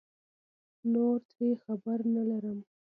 نور ترې خبر نه لرم